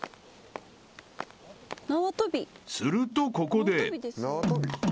［するとここで］